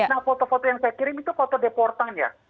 nah foto foto yang saya kirim itu foto deportan ya